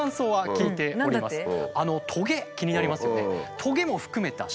あのトゲ気になりますよね。